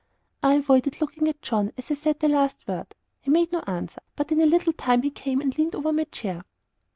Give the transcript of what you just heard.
I avoided looking at John as I said the last word. He made no answer, but in a little time he came and leaned over my chair.